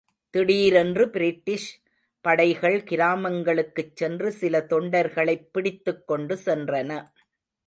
திடீர்ரென்று British படைகள் கிராமங்களுக்குச்சென்று சில தொண்டர்களைப் பிடித்துக் கொண்டு சென்றன.